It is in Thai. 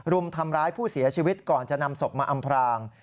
รุมทำร้ายผู้เสียชีวิตก่อนจะนำศพมาอำพราง